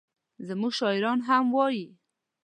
زموږ شاعران هم وایي.